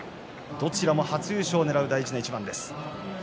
どちらも初優勝を狙う大事な一番です。